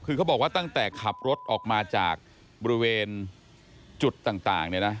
คือเขาบอกว่าตั้งแต่ขับรถออกมาจากบริเวณจุดต่างเนี่ยนะ